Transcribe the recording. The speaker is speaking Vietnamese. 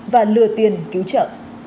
và lừa tiền cứu trợ